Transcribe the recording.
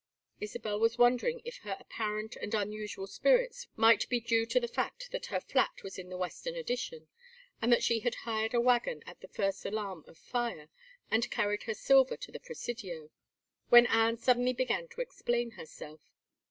Isabel was wondering if her apparent and unusual spirits might be due to the fact that her flat was in the Western Addition, and that she had hired a wagon at the first alarm of fire and carried her silver to the Presidio, when Anne suddenly began to explain herself.